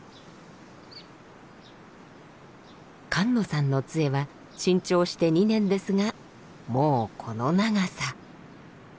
菅野さんの杖は新調して２年ですがもうこの長さ。